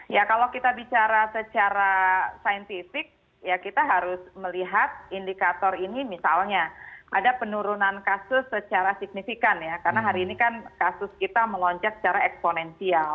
ya kalau kita bicara secara saintifik ya kita harus melihat indikator ini misalnya ada penurunan kasus secara signifikan ya karena hari ini kan kasus kita melonjak secara eksponensial